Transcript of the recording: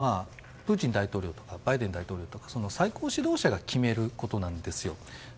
核兵器の使用というのはプーチン大統領とかバイデン大統領とか最高指導者が決めることなんですよ。